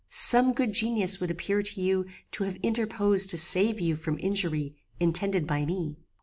Some good genius would appear to you to have interposed to save you from injury intended by me.